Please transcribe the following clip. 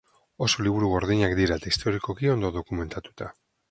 Oso liburu gordinak dira eta historikoki ondo dokumentatuta.